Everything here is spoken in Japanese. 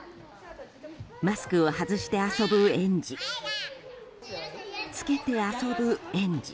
マスクを外して遊ぶ園児。